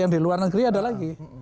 yang di luar negeri ada lagi